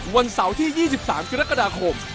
วันเสาร์ที่๒๓กรกฎาคม